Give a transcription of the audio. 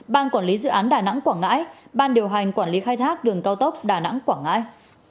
ban quản lý dự án đà nẵng quảng ngãi ban điều hành quản lý khai thác đường cao tốc đà nẵng quảng ngãi